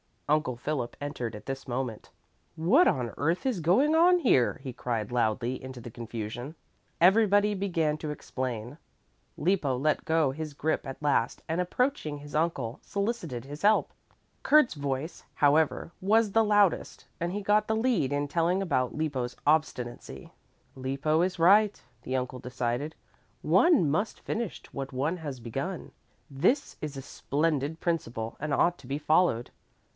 Uncle Philip entered at this moment. "What on earth is going on here?" he cried loudly into the confusion. Everybody began to explain. Lippo let go his grip at last and, approaching his uncle, solicited his help. Kurt's voice, however, was the loudest and he got the lead in telling about Lippo's obstinacy. "Lippo is right," the uncle decided. "One must finish what one has begun. This is a splendid principle and ought to be followed.